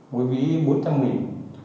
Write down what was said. một cái ví bốn trăm linh nghìn